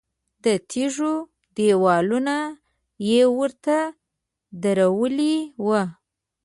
د تیږو دیوالونه یې ورته درولي وو.